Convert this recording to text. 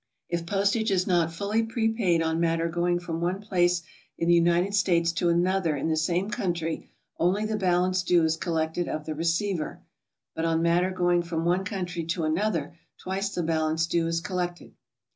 If postage is not fully prepaid on matter going from one place in the United States to another in the same country, only the balance due is collected of the receiver. But on matter going from one country to another, twice the balance due is collected.